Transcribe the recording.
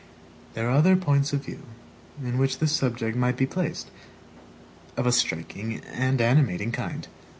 There are other points of view in which this subject might be placed, of a striking and animating kind.